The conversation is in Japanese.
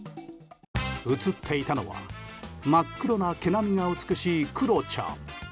写っていたのは真っ黒な毛並みが美しいクロちゃん。